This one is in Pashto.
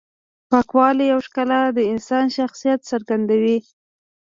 پاکوالی او ښکلا د انسان شخصیت څرګندوي.